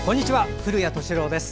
古谷敏郎です。